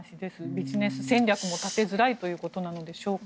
ビジネス戦略も立てづらいということなのでしょうか。